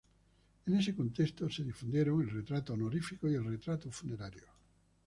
En ese contexto se difundieron el retrato honorífico y el retrato funerario.